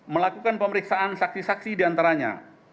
melakukan pemeriksaan saksi saksi diantaranya